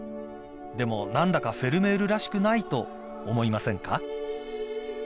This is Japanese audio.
［でも何だかフェルメールらしくないと思いませんか？］